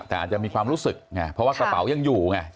แต่อาจจะมีความรู้สึกไงเพราะว่ากระเป๋ายังอยู่ไง